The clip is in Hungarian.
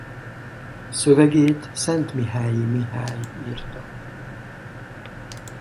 Szövegét Szentmihályi Mihály írta.